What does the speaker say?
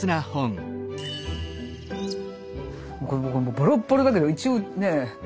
ボロッボロだけど一応ね。